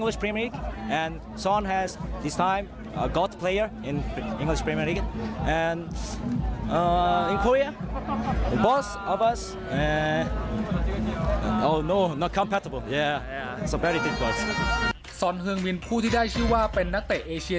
ซอนเมืองผู้ที่ได้ชื่อว่าเป็นนักเตะเอเชีย